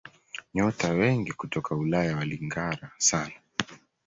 nyota wengi kutoka Ulaya walingara sana